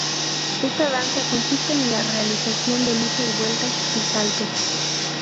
Esta danza consiste en la realización de muchas vueltas y saltos.